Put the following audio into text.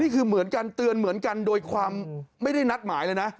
คือเหมือนกันเตือนเหมือนกันโดยความไม่ได้นัดหมายเลยนะ